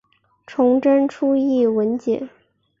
崇祯初谥文简。